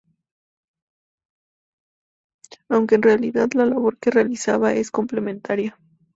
Aunque, en realidad, la labor que realizan es complementaria.